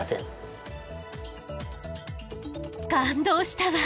感動したわ。